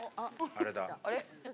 あれだ。